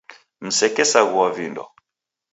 Msekesaghua vindo.